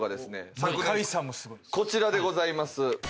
昨年こちらでございます。